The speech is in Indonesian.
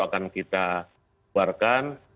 akan kita keluarkan